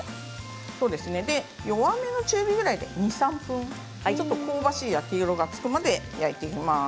弱めの中火ぐらいで２、３分、ちょっと香ばしい焼き色がつくまで焼いていきます。